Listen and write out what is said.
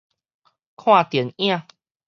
看電影